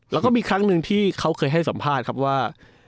แล้วก็มีครั้งหนึ่งที่เขาเคยให้สัมภาษณ์ครับว่า